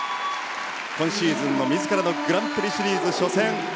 今シーズンの自らのグランプリシリーズ初戦。